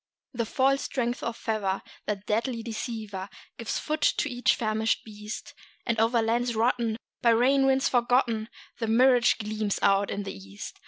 The false strength of fever, that deadly deceiver, Gives foot to each famishing beast; And over lands rotten, by rain winds forgotten, The mirage gleams out in the east.